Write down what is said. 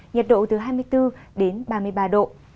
nhật độ từ hai mươi bốn ba mươi ba độ